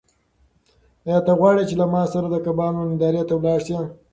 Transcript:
آیا ته غواړې چې له ما سره د کبانو نندارې ته لاړ شې؟